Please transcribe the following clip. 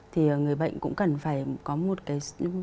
thì người bệnh cũng cần phải có một cái